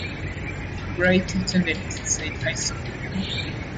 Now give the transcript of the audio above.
Bright attended Eastside High School.